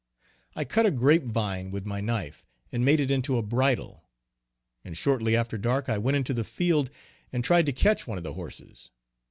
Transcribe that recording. I cut a grape vine with my knife, and made it into a bridle; and shortly after dark I went into the field and tried to catch one of the horses.